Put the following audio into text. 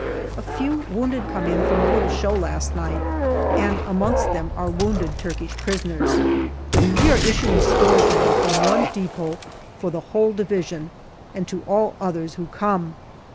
A few wounded come in from a little show last night, and amongst them are wounded Turkish prisoners. We are issuing stores now from one depot for the whole Division, and to all others who come.